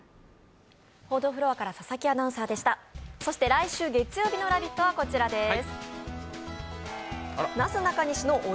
来週月曜日の「ラヴィット！」はこちらです。